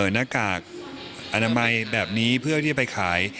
หน้ากากอนามัยแบบนี้เพื่อที่จะไปขาย